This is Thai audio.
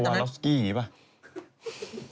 ชาวาโลสกี้อย่างนี้ป่ะ